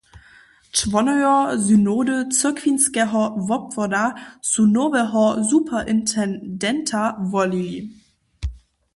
Čłonojo synody cyrkwinskeho wobwoda su noweho superintendenta wolili.